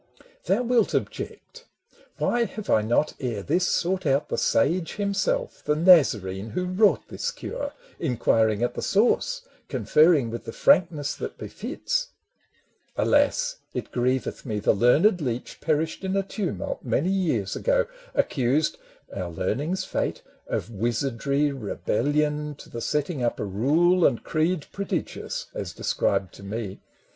Thou wilt object — Why have I not ere this Sought out the sage himself, the Nazarene Who wrought this cure, inquiring at the source, Conferring with the frankness that befits? 02 196 MEN AND WOMEN Alas ! it grieveth me, the learned leech Perished in a tumult many years ago, Accused, — our learning's fate, — of wizardry, Rebellion, to the setting up a rule And creed prodigious as described to me.